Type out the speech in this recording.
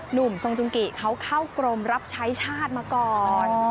หนุ่มทรงจุงกิเขาเข้ากรมรับใช้ชาติมาก่อน